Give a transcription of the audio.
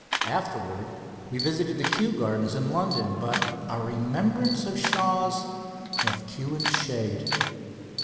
Afterward we visited the Kew Gardens in London, but our remembrance of Shaw's left Kew in the shade.